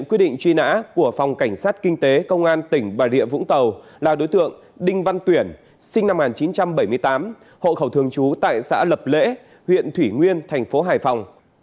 quyết định truy nã của phòng cảnh sát kinh tế công an tỉnh bà địa vũng tàu là đối tượng đinh văn tuyển sinh năm một nghìn chín trăm bảy mươi tám hộ khẩu thường trú tại xã lập lễ huyện thủy nguyên thành phố hải phòng